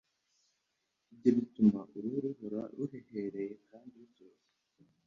Ibyo bituma uruhu ruhora ruhehereye kandi rutoshye.